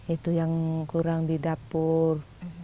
itu yang kurang di dapur